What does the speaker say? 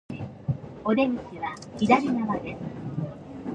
The Government decided to build the Orange Line of Lahore Metro.